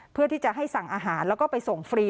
เพื่อที่จะให้สั่งอาหารแล้วก็ไปส่งฟรี